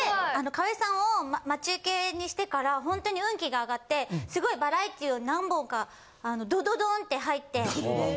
川合さんが待ち受けにしてから本当に運気が上がって、すごいバラエティー何本かどどどーんって入って。